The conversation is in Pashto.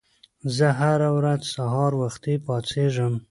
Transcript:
زه هره ورځ سهار وختي پاڅېږم.